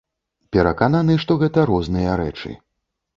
Перакананы, што гэта розныя рэчы.